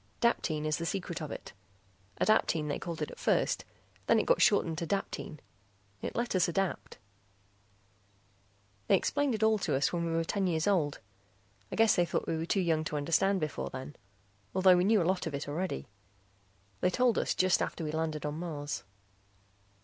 _ Daptine is the secret of it. Adaptine, they called it first; then it got shortened to daptine. It let us adapt. They explained it all to us when we were ten years old; I guess they thought we were too young to understand before then, although we knew a lot of it already. They told us just after we landed on Mars.